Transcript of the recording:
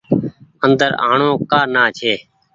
اندر آڻو ڪآ نآ ڇي۔